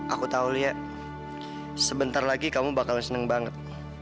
aku tahu lia sebentar lagi kamu bakal seneng banget